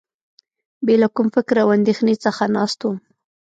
بې له کوم فکر او اندېښنې څخه ناست وم.